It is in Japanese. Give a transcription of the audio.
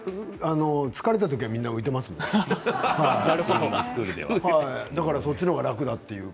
疲れたときはみんな浮いていました。